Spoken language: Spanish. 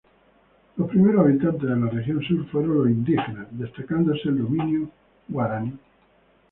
Los primeros habitantes de la región Sur fueron los indígenas, destacándose el dominio guaraní.